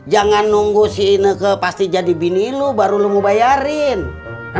jangan nunggu sini ke pasti jadi bini lu baru mau bayarin emang apa ya emang apa justru sekarang